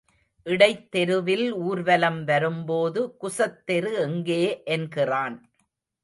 இடைத் தெருவில் ஊர்வலம் வரும்போது குசத்தெரு எங்கே என்கிறான்.